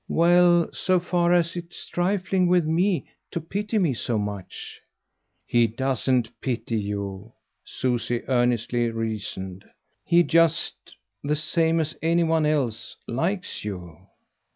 "Well, so far as it's trifling with me to pity me so much." "He doesn't pity you," Susie earnestly reasoned. "He just the same as any one else likes you."